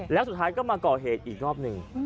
แล้วสุดท้ายก็มาก่อเหตุอีกรอบหนึ่ง